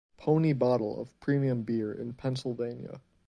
Pony Bottle of Premium Beer in Pennsylvania.